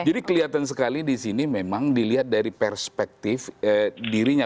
jadi kelihatan sekali di sini memang dilihat dari perspektif dirinya